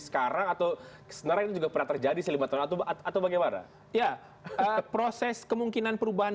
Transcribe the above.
sekarang atau sebenarnya juga pernah terjadi sih lima tn atau bagaimana ya proses kemungkinan perubahan